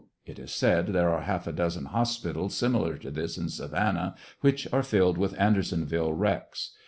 It is said there are h'llf a dozen hospitals similar to this in Savannah which are filled with Andersonville wrecks.